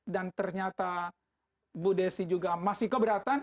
dan ternyata bu desi juga masih keberatan